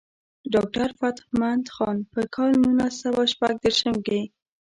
ډاکټر فتح مند خان پۀ کال نولس سوه شپږ دېرشم کښې